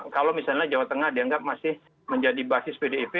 kalau misalnya jawa tengah dianggap masih menjadi basis pdip